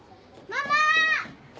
ママ